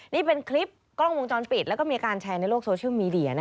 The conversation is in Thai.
นี่เป็นคลิปกล้องวงจรปิดแล้วก็มีการแชร์ในโลกโซเชียลมีเดีย